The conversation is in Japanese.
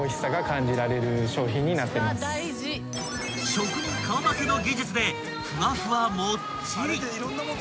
［職人顔負けの技術でふわふわもっちり］